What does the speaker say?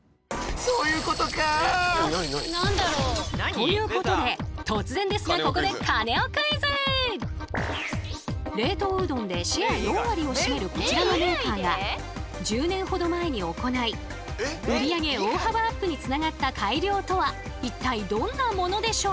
ということで突然ですがここで冷凍うどんでシェア４割を占めるこちらのメーカーが１０年ほど前に行い売り上げ大幅アップにつながった改良とは一体どんなものでしょう？